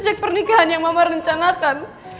cek pernikahan yang mama rencanakan